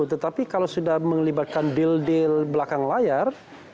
tetapi kalau sudah melibatkan deal deal belakang layar